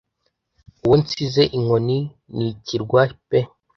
Uwo nsize inkoni n'ikirwa pe